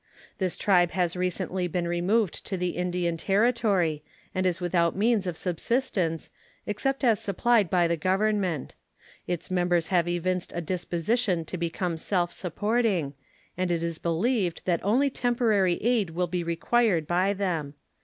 This tribe has recently been removed to the Indian Territory, and is without means of subsistence except as supplied by the Government. Its members have evinced a disposition to become self supporting, and it is believed that only temporary aid will be required by them.